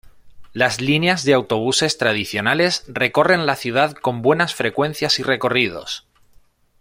Las líneas de autobuses tradicionales recorren la ciudad con buenas frecuencias y recorridos.